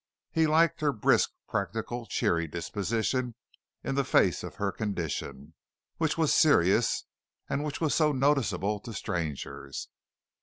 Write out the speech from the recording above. He liked her brisk, practical, cheery disposition in the face of her condition, which was serious, and which was so noticeable to strangers.